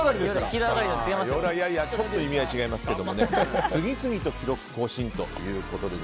ちょっと意味合いが違いますけどね次々と記録更新ということで。